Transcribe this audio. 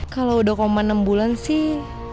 kalo udah koma enam bulan sih